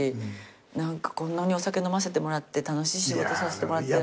何かこんなにお酒飲ませてもらって楽しい仕事させてもらって。